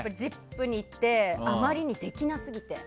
「ＺＩＰ！」にいってあまりにできなすぎて。